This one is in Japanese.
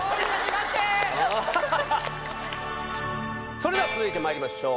それでは続いてまいりましょう。